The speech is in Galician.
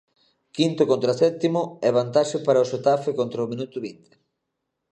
Quinto contra sétimo e vantaxe para o Xetafe contra o minuto vinte.